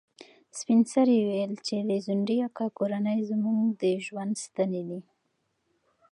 سپین سرې وویل چې د ځونډي اکا کورنۍ زموږ د ژوند ستنې دي.